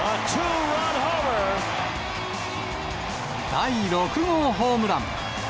第６号ホームラン。